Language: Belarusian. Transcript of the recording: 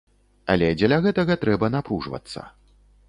Але дзеля гэтага трэба напружвацца.